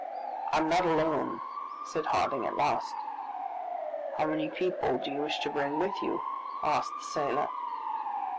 "I am not alone!" said Harding at last. "How many people do you wish to bring with you?" asked the sailor.